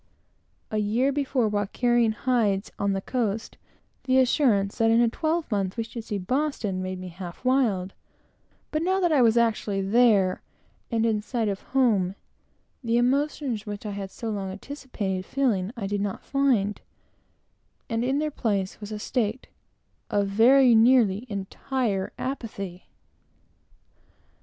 A year before, while carrying hides on the coast, the assurance that in a twelvemonth we should see Boston, made me half wild; but now that I was actually there, and in sight of home, the emotions which I had so long anticipated feeling, I did not find, and in their place was a state of very nearly entire apathy.